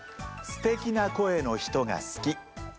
「すてきな声の人が好き」。